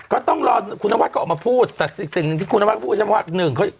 เขาต้องรอคุณน้ำวาดก็ออกมาพูดแต่สิ่งที่คุณน้ำวาดก็พูดคุณน้ำวาดหนึ่ง